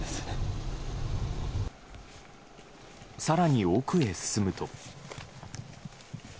更に奥へ進むと。